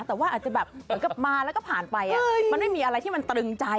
แต่ว่าอาจจะแบบเหมือนกับมาแล้วก็ผ่านไปมันไม่มีอะไรที่มันตรึงใจ